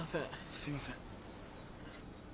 すいません。